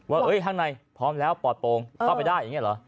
ว่าข้างในพร้อมแล้วปลอดโปรงเข้าไปได้อย่างนี้เหรอ